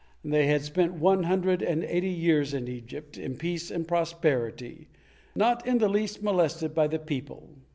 they had spent one hundred and eighty years in Egypt, in peace and prosperity, not in the least molested by the people.